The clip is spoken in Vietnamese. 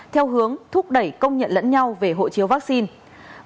theo hướng thúc đẩy công nhận lẫn nhau về hộ chiếu vaccine